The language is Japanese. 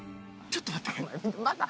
ちょっと待って！